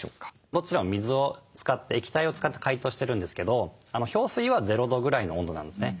どちらも水を使って液体を使って解凍してるんですけど氷水は０度ぐらいの温度なんですね。